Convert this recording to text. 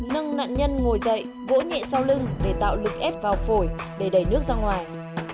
nâng nạn nhân ngồi dậy vỗ nhẹ sau lưng để tạo lực ép vào phổi để đẩy nước ra ngoài